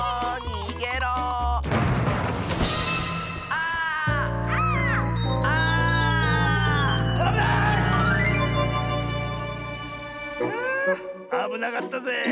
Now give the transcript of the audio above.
ああぶなかったぜえ。